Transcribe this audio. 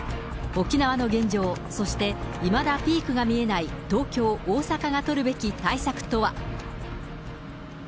沖縄の現状、そしていまだピークが見えない東京、大阪が取るべき対策とは。